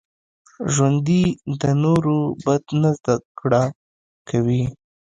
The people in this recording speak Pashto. ژوندي د نورو بد نه زده کړه کوي